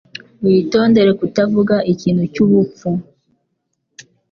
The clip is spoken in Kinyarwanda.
Witondere kutavuga ikintu cyubupfu.